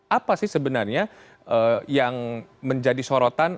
apa sih sebenarnya yang menjadi sorotan